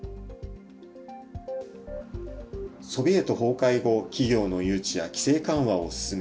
ソビエト崩壊後、企業の誘致や規制緩和を進め、